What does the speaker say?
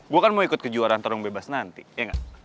gue kan mau ikut ke juaraan terung bebas nanti ya nggak